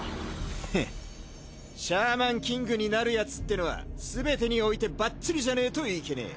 フッシャーマンキングになるヤツってのはすべてにおいてバッチリじゃねえといけねえ。